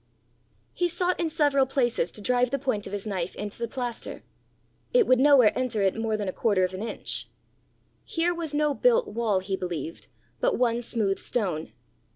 He sought in several places to drive the point of his knife into the plaster; it would nowhere enter it more than a quarter of an inch: here was no built wall, he believed, but one smooth stone.